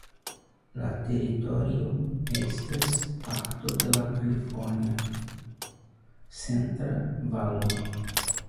La teritorio estas parto de la Kalifornia Centra Valo.